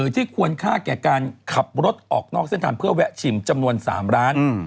ควรค่าแก่การขับรถออกนอกเส้นทางเพื่อแวะชิมจำนวน๓ร้าน